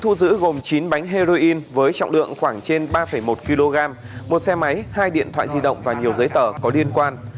thu giữ gồm chín bánh heroin với trọng lượng khoảng trên ba một kg một xe máy hai điện thoại di động và nhiều giấy tờ có liên quan